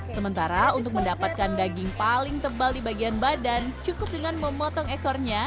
sementara untuk mendapatkan daging paling tebal di bagian badan cukup dengan memotong ekornya